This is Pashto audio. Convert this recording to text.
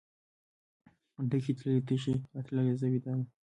ډکې تللې تشې راتللې زه ویده وم.